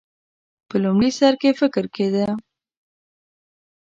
په لومړي سر کې فکر کېده.